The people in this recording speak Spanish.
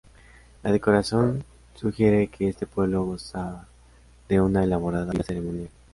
La decoración sugiere que este pueblo gozaba de una elaborada vida ceremonial.